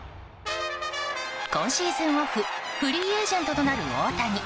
今シーズンオフフリーエージェントとなる大谷。